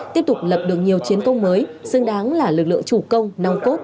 tiếp tục lập được nhiều chiến công mới xứng đáng là lực lượng chủ công nòng cốt